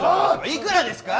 いくらですか？